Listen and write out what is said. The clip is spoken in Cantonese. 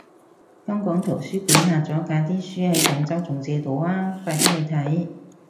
香港圖書館下咗架啲書喺廣州仲借到啊，快啲去睇